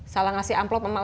salah ngasih amplop sama lu